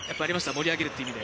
盛り上げるって意味で。